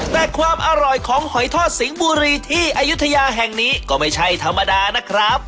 แต่ความอร่อยของหอยทอดสิงห์บุรีที่อายุทยาแห่งนี้ก็ไม่ใช่ธรรมดานะครับ